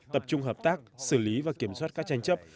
tập trung hợp tác xử lý và kiểm soát các tranh chấp